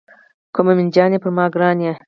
که مومن جان یې پر ما ګران یې.